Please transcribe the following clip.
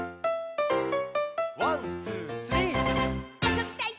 「ワンツースリー」「あそびたい！